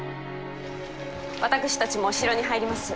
私たちも城に入ります。